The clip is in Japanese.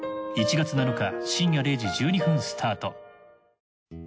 １月７日深夜０時１２分スタート。